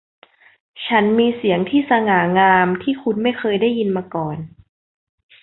ฉันมีเสียงที่สง่างามที่คุณไม่เคยได้ยินมาก่อน